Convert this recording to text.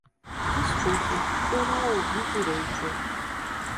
Desculpe - eu não ouvi direito.